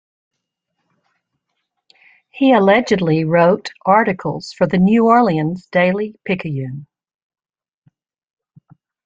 He allegedly wrote articles for the "New Orleans Daily Picayune".